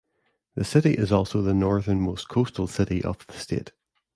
The city is also the northernmost coastal city of the state.